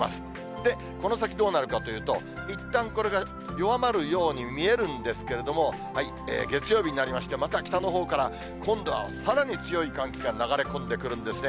で、この先どうなるかというと、いったん、これが弱まるように見えるんですけれども、月曜日になりまして、また北のほうから、今度はさらに強い寒気が流れ込んでくるんですね。